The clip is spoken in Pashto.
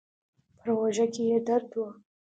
پر اوږه کې يې درد و.